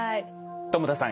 友田さん